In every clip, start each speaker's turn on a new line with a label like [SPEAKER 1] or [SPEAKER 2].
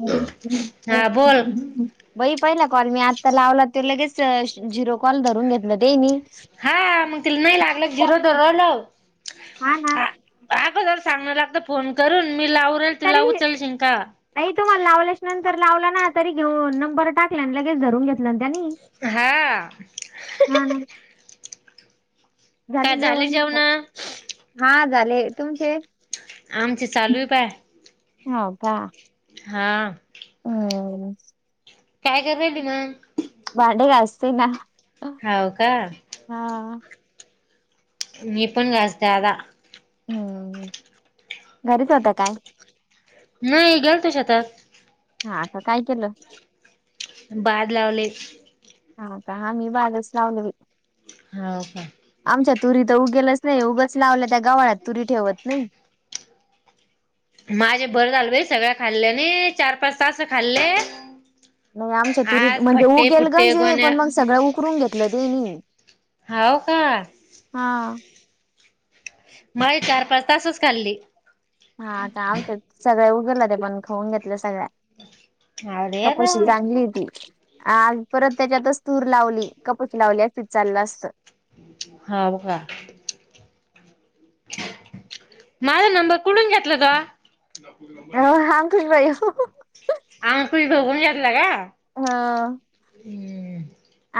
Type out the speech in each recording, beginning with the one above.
[SPEAKER 1] ह्
[SPEAKER 2] हा बोल
[SPEAKER 1] अच्छा हम् बई पहिला कॉल मी आत्ता लावला त लगेच झिरो कॉल धरून घेतलं दे नाही
[SPEAKER 2] हा मग तिला नाही लागलं जिरोलं
[SPEAKER 1] हा ना
[SPEAKER 2] अगोदर चागलं लागत फोन करून मी लाव रेल तुला
[SPEAKER 1] तरी
[SPEAKER 2] उचल जिंका
[SPEAKER 1] ताई तुम्हाला लावल्याच नंतर लावला ना तरी घेऊन नंबर टाकला लगेच धरून घेतला त्यांनी.
[SPEAKER 2] हा काय
[SPEAKER 1] झाले जेवन
[SPEAKER 2] जेवण
[SPEAKER 1] हा झाले तुमचे
[SPEAKER 2] आमचे चालूय बाय
[SPEAKER 1] हका
[SPEAKER 2] हा
[SPEAKER 1] हम्
[SPEAKER 2] काय कराली म
[SPEAKER 1] स ना [unintelligible]
[SPEAKER 2] हव का
[SPEAKER 1] हा
[SPEAKER 2] मी पण कास द
[SPEAKER 1] हम्म घरीच होत काय
[SPEAKER 2] हुं गेल तो शेतात
[SPEAKER 1] हा आता काय केलं
[SPEAKER 2] बाद लावले
[SPEAKER 1] हाता ह मी बागच लावलं
[SPEAKER 2] होा का
[SPEAKER 1] आमच्या तुरी तर उगेलच नाही उगच लावल्या त्या गावळ्यात तुरी ठेवत नाही
[SPEAKER 2] माझे भर झालं भाई सगळ्या खाल्ल्याने चार पाच तास खाल्ले
[SPEAKER 1] नाही [unintelligible] आमच्या तुरीत
[SPEAKER 2] आज
[SPEAKER 1] म्हणजे उ
[SPEAKER 2] फट्टे
[SPEAKER 1] गेल गण
[SPEAKER 2] फुट्टे गोण्या
[SPEAKER 1] पण मग सगळं उकरून घेतलं देणी
[SPEAKER 2] होव का
[SPEAKER 1] हा
[SPEAKER 2] माय चार पाच तासच खाल्ली
[SPEAKER 1] हा कामच सगळ उघडलं ते पण खाऊन घेतलं सगळ्या
[SPEAKER 2] अरे वा
[SPEAKER 1] कपपशी चांगली हुती ह परत त्याच्यातच तूर लावली कपच लावली अस विचारलं असतं
[SPEAKER 2] हाव का माझा नंबर कुडून घेतला ग नाप नबार
[SPEAKER 1] अंकुश भाई
[SPEAKER 2] [unintelligible] बघून घेतला काय हां.
[SPEAKER 1] ह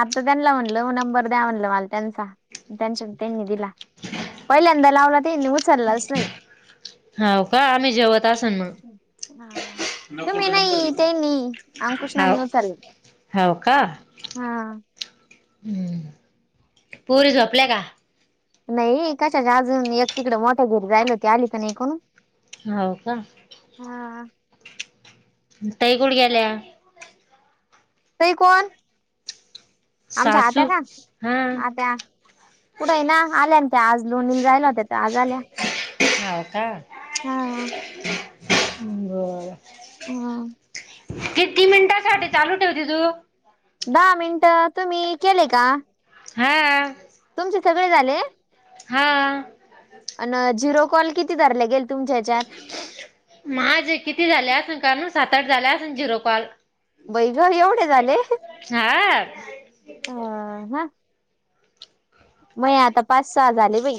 [SPEAKER 1] आता त्यांना म्हणलं नंबर द्या म्हणलं, मला त्यांचा कांचन ताईनी दिला पहिल्यांदा लावला ते नि उचललाच नाही?
[SPEAKER 2] होव का आम्ही जेवत असणं
[SPEAKER 1] हा हा.
[SPEAKER 2] मग
[SPEAKER 1] तुम्ही नाही त्यांनी
[SPEAKER 2] हव
[SPEAKER 1] अंकुशनानी उचलला
[SPEAKER 2] होव का?
[SPEAKER 1] हा.
[SPEAKER 2] हम्म पोरी झोपल्या का?
[SPEAKER 1] नाही कशाच्या अजून एक तिकड मोठ्या घरी, जाईल होती आली का नाही कोण?
[SPEAKER 2] होव का?
[SPEAKER 1] हा.
[SPEAKER 2] ताई कुठ गेल्या?
[SPEAKER 1] ताई कोण? आमच्या आत्या
[SPEAKER 2] सासू
[SPEAKER 1] का?
[SPEAKER 2] हा
[SPEAKER 1] आत्या कुठ आहे ना आल्या ना त्या, आज लोणीला राहिल्या होत्या तर आज आल्या
[SPEAKER 2] हो का?
[SPEAKER 1] हा
[SPEAKER 2] बरं
[SPEAKER 1] हां.
[SPEAKER 2] किती मिनिटासाठी चालू ठेवते तू?
[SPEAKER 1] दहा मिनिटं तुम्ही केले का?
[SPEAKER 2] हाआ
[SPEAKER 1] तुमचे सगळे झाले अ.
[SPEAKER 2] हां आ.
[SPEAKER 1] अन झिरो कॉल किती धरलं गेले? तुमच्या ह्याच्यात
[SPEAKER 2] माझे किती झाले आसल का सात आठ झाल्या असल झिरो कॉल?
[SPEAKER 1] बाई ग! एवढे झाले ह
[SPEAKER 2] हा
[SPEAKER 1] ह. महे आता पाच सहा झाले बाई,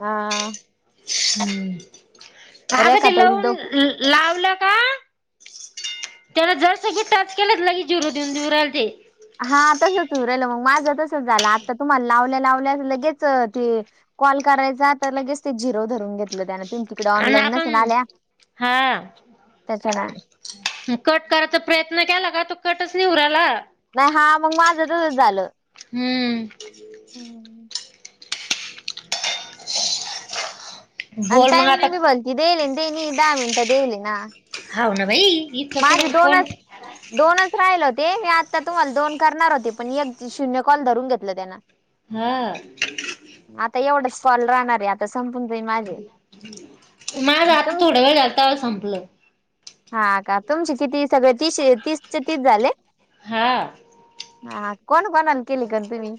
[SPEAKER 1] हा.
[SPEAKER 2] हम् का ग ते
[SPEAKER 1] ताईला
[SPEAKER 2] लावून
[SPEAKER 1] दो
[SPEAKER 2] लावलं का? त्याला जर सगी टच केलं, लगी जिरो देऊन राहिलं ते.
[SPEAKER 1] हा तसंच होवू राहील मग माझं तसच झालं, आता तुम्हाला लावल्या लावल्या अस लगेच ते कॉल करायचा तर लगेच, तेच झिरो धरून घेतलं त्यान ते
[SPEAKER 2] आणि आपण हां.
[SPEAKER 1] त्याच्यान
[SPEAKER 2] कट करायचा प्रयत्न केला, का तो कटच नाही होवू राहीला.
[SPEAKER 1] नाही हा मग माझं तसंच झालं
[SPEAKER 2] हम्म.
[SPEAKER 1] हम्म.
[SPEAKER 2] [unintelligible] [inaudible]
[SPEAKER 1] आणि
[SPEAKER 2] मग आता
[SPEAKER 1] टायमिंग बी बोललती देली, देणी दहा मिनटं देले ना.
[SPEAKER 2] हा, हो. ना बाई इतकं
[SPEAKER 1] माझे
[SPEAKER 2] कुठं कोण
[SPEAKER 1] दोनच, दोनच राहिल होत ते मी आता तुम्हाला दोन करणार होते, पण एक शून्य कॉल धरून घेतलं त्यांन
[SPEAKER 2] हा.
[SPEAKER 1] एवढंच कॉल राहणारेए आता संपून जाईन माझे,
[SPEAKER 2] माझं आता
[SPEAKER 1] [unintelligible]
[SPEAKER 2] थोडा वेळ झाला तवा संपलं
[SPEAKER 1] हा का? तुमची किती सगळे तीस तीसचे तीस झाले?
[SPEAKER 2] हा आ.
[SPEAKER 1] हा कोण कोणाले केली कॉल तुम्ही?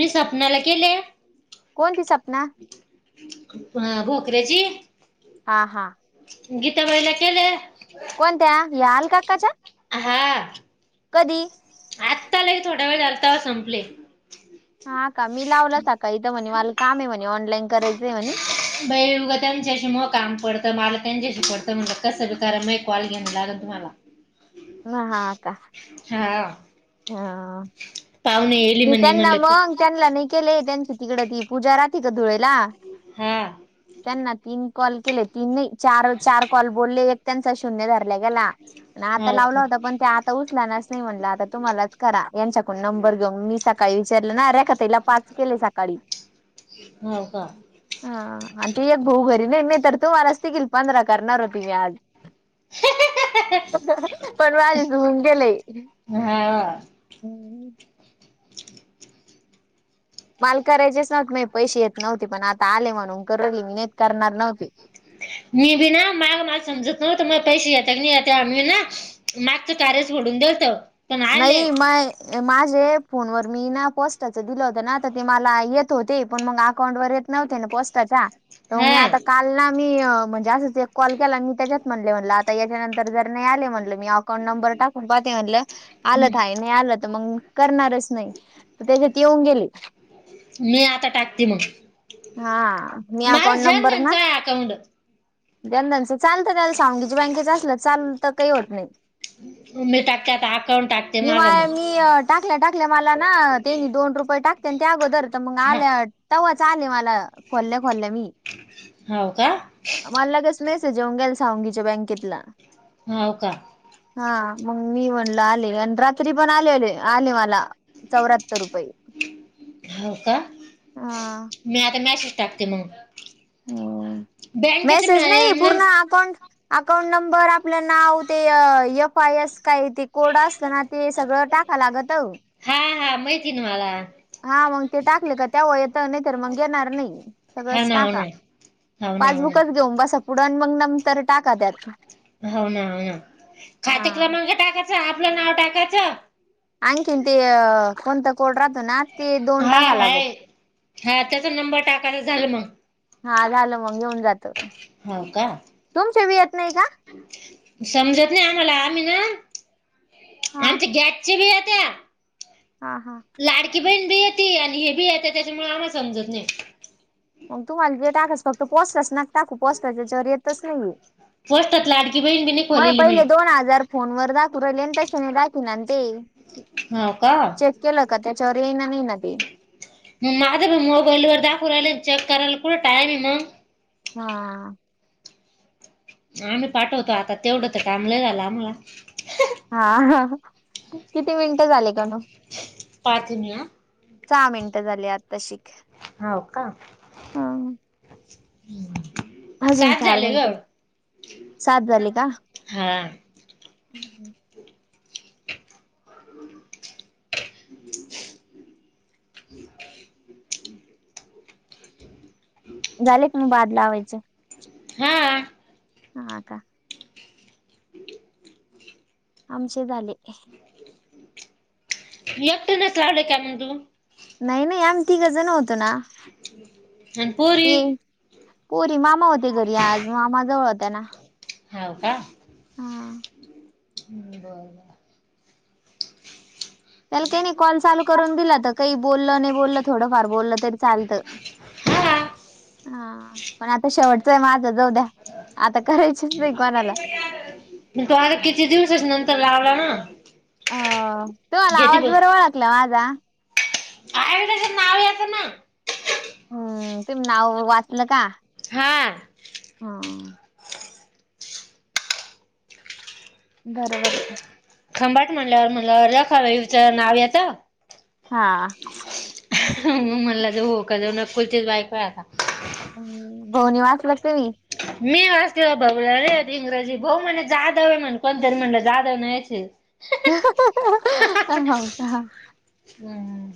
[SPEAKER 2] मी सपनाला केले?
[SPEAKER 1] कोणती सप
[SPEAKER 2] ह घोकऱ्याची.
[SPEAKER 1] हा हा.
[SPEAKER 2] गीताबाईला केल्या?
[SPEAKER 1] कोणत्या या आलका आकाच्या?
[SPEAKER 2] हां आत्ता लई थोडा वेळ झालता तवा संपले.
[SPEAKER 1] हा का? मी लावला थाका इथं म्हणे, मला काम आहे म्हणे ऑनलाईन करायचंय म्हणे
[SPEAKER 2] बाई उघं त्यांच्याशी मग काम पडतं मला त्यांच्याशी पडत म्हणलं, कसं बी करा माये कॉल घ्याव लागलं तुम्हाला
[SPEAKER 1] ह हा आ का?
[SPEAKER 2] हा
[SPEAKER 1] हा हा.
[SPEAKER 2] पाहुणे येली
[SPEAKER 1] मी
[SPEAKER 2] म्हणे
[SPEAKER 1] त्यांना
[SPEAKER 2] म्हणलं की
[SPEAKER 1] मग त्यांना नाही केले, त्यांची तिकड ती पूजा राहते का धुळेला
[SPEAKER 2] हम्म.
[SPEAKER 1] त्यांना तीन कॉल केले, तीन, चार, चार कॉल बोलले एक त्यांचा शून्य धरला गेला. आता
[SPEAKER 2] हो
[SPEAKER 1] लावला
[SPEAKER 2] का
[SPEAKER 1] होता, पण ते आता उचलानाच नाही, म्हटलं आता तुम्हालाच करा यांच्याकडून नंबर मी सकाळी विचारलं ना अरे तिला पाच केले सकाळी.
[SPEAKER 2] हो का
[SPEAKER 1] हा. आणि ती एक भाऊ घरी नाही, नाही तर तुम्हालाच देखील पंधरा करणार होती मी आज. पण [unintelligible] गेलय.
[SPEAKER 2] हा
[SPEAKER 1] माल करायचेच नवत, नाही पैसे येत नव्हते पण, आता आले म्हणून [unintelligible] मी नायतर करणार नव्हते.
[SPEAKER 2] [unintelligible] [inaudible] ून दवत [inaudible]
[SPEAKER 1] नाही माय माझे फोनवर मी ना, पोस्टाचं दिलं होतं ना, तर ते मला येत होते, पण मग अकाउंटवर येत नव्ह ना पोस्टाच्या, तर मी
[SPEAKER 2] हा
[SPEAKER 1] आता काल ना मी म्हणजे अस कॉल केला मी त्याच्यात म्हणले, म्हटलं आता याच्यानंतर जर नाही आले म्हणलं मी अकाउंट नंबर टाकून पाहते म्हणल आलं य नाही, आलं तर मग करणारच नाही,, त्याच्यात येऊन गेल
[SPEAKER 2] मी आता टाकते मग.
[SPEAKER 1] हा मी
[SPEAKER 2] महाराज जन त्यांचा आहे अकाउंट.
[SPEAKER 1] [unintelligible] चालत त्याला, [unintelligible] बँकेच असल चाल तर काही होत नाही.
[SPEAKER 2] मी टाकते आता [inaudible]
[SPEAKER 1] मी,
[SPEAKER 2] माझं
[SPEAKER 1] वाय मी.
[SPEAKER 2] मग
[SPEAKER 1] टाकल्या टाकल्या मला ना, तेनी दोन रुपये टाकते, आणि त्या अगोदर तर मग
[SPEAKER 2] हा
[SPEAKER 1] आल्या, तव्हाच आले मला. खोल्या खोल्या मी,
[SPEAKER 2] हो का
[SPEAKER 1] मला लगेच मेसेज जेवंगेल सावंगीच्या बँकेतला.
[SPEAKER 2] होव का,
[SPEAKER 1] हा, मग मी म्हणल आले, आणि रात्री पण आले आले मला. चौऱ्याहत्तर रुपये,
[SPEAKER 2] हो का
[SPEAKER 1] हा.
[SPEAKER 2] टकते मग. बँकेच
[SPEAKER 1] मेसेज नाही,
[SPEAKER 2] मॅडम
[SPEAKER 1] पूर्ण अकाउंट अकाउंट नंबर, आपलं नाव, ते एफ आय एस काही ते कोड असतं ना ते सगळं टाक. लागतऊ.
[SPEAKER 2] हा हा मैथिनवाला.
[SPEAKER 1] हा, मग ते टाकले का त्यावर येत, नाही तर मग येणार नाही,
[SPEAKER 2] हा
[SPEAKER 1] सगळंच
[SPEAKER 2] ना हो
[SPEAKER 1] टाका
[SPEAKER 2] ना हो ना हो ना
[SPEAKER 1] पासबुकच घेऊन बसा पुढं, मग नंतर टाका त्यात.
[SPEAKER 2] हो ना, हो ना,
[SPEAKER 1] हा
[SPEAKER 2] खाते क्रमांक टाकायचा, आपलं नाव टाकायचं.
[SPEAKER 1] कोणंत कोड रात ना ते दोन
[SPEAKER 2] हा
[SPEAKER 1] टाका लागत
[SPEAKER 2] हाय, हा त्याचा नंबर टाकायच झालं मग.
[SPEAKER 1] हा झालं मग घेऊन जात.
[SPEAKER 2] हो का?
[SPEAKER 1] यत नाही का?
[SPEAKER 2] समजत नाही आम्हाला, आम्ही ना,
[SPEAKER 1] हा
[SPEAKER 2] आमचे गॅसचे बी येत्या
[SPEAKER 1] हा हा,
[SPEAKER 2] बण बी येती, आणि हे बी येती, त्याच्यामुळे आम्हा समजत नाही.
[SPEAKER 1] मग तुम्हाला जे टाकास फक्त पोस्टास नका टाकू, पोस्टाच्या हजावर एतच नाही.
[SPEAKER 2] पोस्टात लाडकी बहीण बी नाही
[SPEAKER 1] मग
[SPEAKER 2] खोलेली मी
[SPEAKER 1] पहिले दोन हजार फोन वर दाखवू राहिले आणि तशने दाखव ते,
[SPEAKER 2] हो का
[SPEAKER 1] चेक केलं का त्याच्यावर येई ना नाही ना ते.
[SPEAKER 2] मग माझा पण मोबाईल वर दाखवू राहिलं चेक करायला कुठं टायम आहे मग?
[SPEAKER 1] हा.
[SPEAKER 2] आम्ही पाठवतो आता तेवढं तर टाईम लय झालं आम्हाला.
[SPEAKER 1] हा, किती मिनिटं झाले का न.
[SPEAKER 2] पाहते मी हा
[SPEAKER 1] सहा मिनिटं झाली आताशि.
[SPEAKER 2] होवका?
[SPEAKER 1] अजून चार मिनट, सात झाली का?
[SPEAKER 2] हा
[SPEAKER 1] हम् हम. झालेक न बाद लावेचे
[SPEAKER 2] हा.
[SPEAKER 1] ह ह, का? आमचे झाले.
[SPEAKER 2] एकटी नच लावले काय म्हण तू
[SPEAKER 1] नाही नाही आम्ही तिघंजण होतो ना
[SPEAKER 2] आणि पोरी
[SPEAKER 1] ये. पोरी मामा होते घरी आज मामा जवळ होत्या ना.
[SPEAKER 2] ह का?
[SPEAKER 1] हा.
[SPEAKER 2] हम् बर.
[SPEAKER 1] त्याला काही नाही कॉल चालू करून दिला तर काही बोललं नाही बोललं थोडंफार बोललं तरी चालतं.
[SPEAKER 2] हा
[SPEAKER 1] हा पण आता शेवटचं आहे माझं जाऊ द्या. आता करायचीच नाही कोणाला
[SPEAKER 2] म तो आता किती दिवसच नंतर लावला ना.
[SPEAKER 1] अ तू आला आवाज बर ओळखला माझा
[SPEAKER 2] आ त्याच नाव यत ना.
[SPEAKER 1] हम्म ते नाव वाचल का
[SPEAKER 2] हा
[SPEAKER 1] हम. बरोबर आहे.
[SPEAKER 2] खंबाट म्हणल्यावर म्हणलं अ खरचं नाव येत.
[SPEAKER 1] हा.
[SPEAKER 2] मग म्हणला ज हो का जो नकुलतीच बायको असेल आता
[SPEAKER 1] हम् बवनी वास लागतेवी
[SPEAKER 2] मी वाचली बरे इंग्रजी भाऊ म्हण जाधव आहे म्हणे कोणतरी म्हणलं जाधव नाहीय ते
[SPEAKER 1] हो का.
[SPEAKER 2] हम.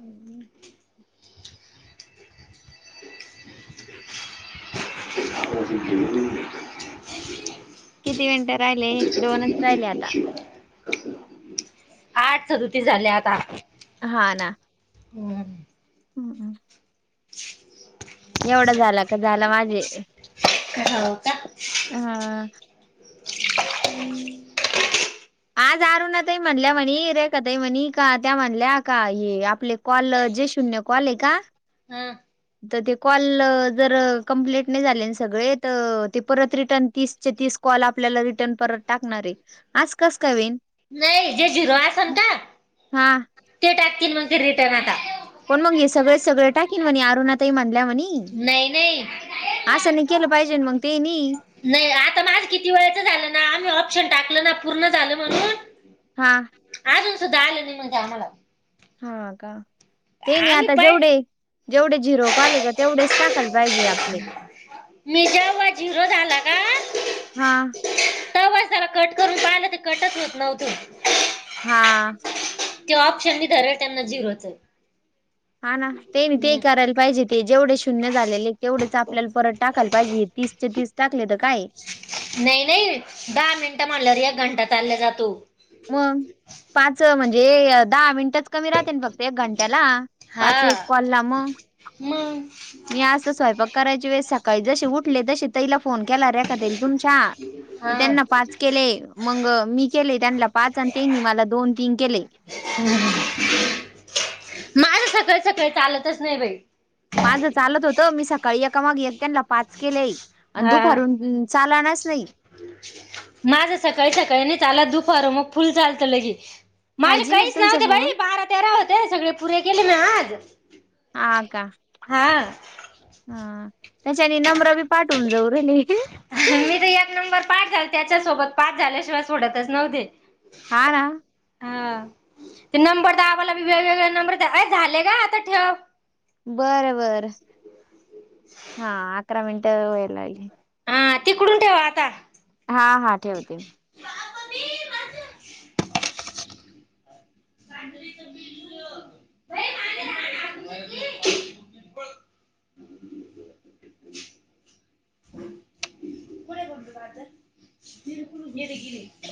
[SPEAKER 1] हम्म.
[SPEAKER 2] अ बिजली
[SPEAKER 1] किती मिनिटं राहिले दोनच राहिले आता
[SPEAKER 2] [unintelligible] आठ चतुती झाल्या आता.
[SPEAKER 1] हा ना.
[SPEAKER 2] हम्.
[SPEAKER 1] हम् हम.
[SPEAKER 2] [unintelligible]
[SPEAKER 1] का झाला
[SPEAKER 2] हो का?
[SPEAKER 1] हा.
[SPEAKER 2] हम्म.
[SPEAKER 1] आज अरुण तई म्हणल्या म्हणी रे का तई म्हणी का त्या म्हणल्या का ये आपले कॉल जे शून्य कॉल आहे का?
[SPEAKER 2] हा
[SPEAKER 1] तर ते कॉल जर कंप्लीट नाही झाले सगळे तर ते परत रिटर्न तीस तीस कॉल आपल्याला रिटर्न परत टाकणार आहे आस कस का होऊन.
[SPEAKER 2] नाही जे झिरो असण का? टाकतील मग ते रिटर्न आता
[SPEAKER 1] पण मग हे सगळे सगळे टाकीन म्हणे अरुणातही मान
[SPEAKER 2] नाही नाही
[SPEAKER 1] अस नाही केलं पाहिजे. ना मग ते नाही
[SPEAKER 2] नाही आता माझ किती वेळच झालं ना आम्ही ऑप्शन टाकल ना. पूर्ण झालं म्हणून
[SPEAKER 1] हा
[SPEAKER 2] ध आलं नाही म्हणजे आम्हाला
[SPEAKER 1] हा का ते नाही
[SPEAKER 2] आम्ही
[SPEAKER 1] आता
[SPEAKER 2] पै
[SPEAKER 1] जेवढे जेवढे झिरो का आले का तेवढेच टाकाल
[SPEAKER 2] मी जेव्हा झिरो झाला का.
[SPEAKER 1] हा
[SPEAKER 2] तेव्हाच त्याला कट करून पाहिलं ते कटच होत नव्हत.
[SPEAKER 1] हा.
[SPEAKER 2] ते ऑप्शन धरल आता त्यांना झिरोच आहे.
[SPEAKER 1] हा ना ते नाही ते करायला पाहिजे ते जेवढे शून्य झालेले तेवढेच आपल्याला परत टाकायला पाहिजे तीस चे तीस टाकले तर काय
[SPEAKER 2] नाही नाही दहा मिनिटं म्हणलं रे एक घंटा चालल्या जातो.
[SPEAKER 1] मग पाच म्हणजे दहा मिनिटच कमी राहते फक्त घंट्याला
[SPEAKER 2] हा
[SPEAKER 1] पाच एक कॉलला म
[SPEAKER 2] मग
[SPEAKER 1] मी अस स्वयपाक करायची वेळेस सकाळी जसे उठले तसे तला फोन केला रेका तेरी तुमच्या तर
[SPEAKER 2] हा
[SPEAKER 1] त्यांना पाच केले मग मी केले त्यांना पाच आणि त्यांनी मला दोन तीन केले.
[SPEAKER 2] काळी चालतच नाही बाई.
[SPEAKER 1] माझं चालत होतं मी सकाळी एकामागेन त्यांना पाच केले अधुपारून चालानाच नाही.
[SPEAKER 2] माझ सकाळी सकाळी नाही त्या आला दुपार मग फुल चालत ल के माझे
[SPEAKER 1] पाहिजे नाही
[SPEAKER 2] काहीच
[SPEAKER 1] का तुमचा
[SPEAKER 2] नव्हते बाई
[SPEAKER 1] फोन
[SPEAKER 2] बारा तेरा होते सगळे पुरे केले मी आज
[SPEAKER 1] हा का
[SPEAKER 2] हा
[SPEAKER 1] हा त्याच्यानी नम्र बी पाठवून जाऊ
[SPEAKER 2] मी तर एक नंबर पाठ झाल त्याच्यासोबत पाच झाल्याशिवाय सोडतच नव्हते.
[SPEAKER 1] हा ना
[SPEAKER 2] हा ते नंबर दवालाी वेगवेगळे नंबर द झाले का आता ठेव.
[SPEAKER 1] बर बर हा अकरा मिनिट व लाे
[SPEAKER 2] हा तिकडून ठेवा आता.
[SPEAKER 1] हा हा ठेवते.
[SPEAKER 2] [unintelligible]
[SPEAKER 1] म आहे
[SPEAKER 2] [unintelligible] कोला बोल बाता ति क घेरे घिरे [unintelligible]